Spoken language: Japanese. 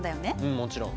もちろん。